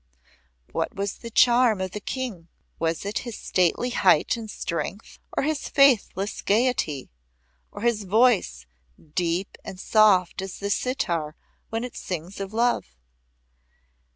What was the charm of the King? Was it his stately height and strength? Or his faithless gayety? Or his voice, deep and soft as the sitar when it sings of love?